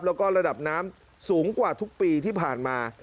แล้วก็ระดับน้ำสูงกว่าทุกปีที่ผ่านมา